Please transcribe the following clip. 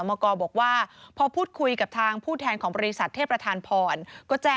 ไม่อยากทะเลาะหรอก